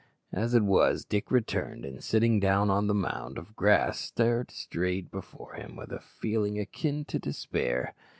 As it was, Dick returned, and sitting down on a mound of grass, stared straight before him with a feeling akin to despair.